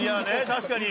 確かに。